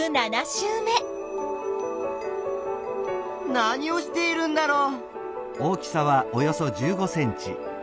何をしているんだろう？